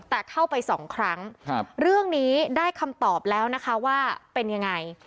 แต่เข้าไปสองครั้งเรื่องนี้ได้คำตอบแล้วนะคะว่าเป็นยังไง